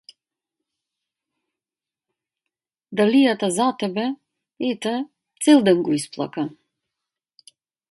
Далијата за тебе, ете, цел ден го исплака.